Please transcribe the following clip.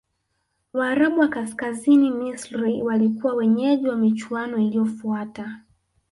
waarabu wa kaskazini misri walikuwa wenyeji wa michuano iliyofuata